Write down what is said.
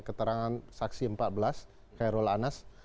keterangan saksi empat belas khairul anas